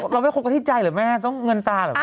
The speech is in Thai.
เราไม่คบกันที่ใจหรือไม่ต้องเงินตาหรือเปล่า